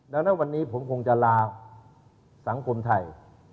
ดังนั้นวันนี้ผมคงจะลาสังคมไทย